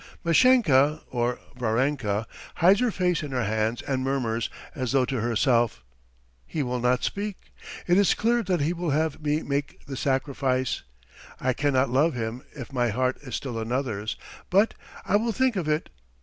Mashenka (or Varenka) hides her face in her hands and murmurs, as though to herself: "He will not speak; ... it is clear that he will have me make the sacrifice! I cannot love him, if my heart is still another's ... but ... I will think of it.